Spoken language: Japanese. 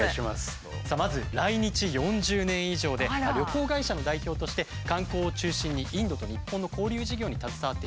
さあまず来日４０年以上で旅行会社の代表として観光を中心にインドと日本の交流事業に携わっているマルカスさん。